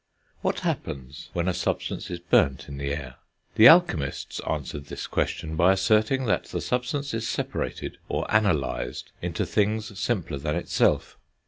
What happens when a substance is burnt in the air? The alchemists answered this question by asserting that the substance is separated or analysed into things simpler than itself.